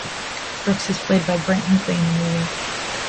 Brooks is played by Brent Hinkley in the movie.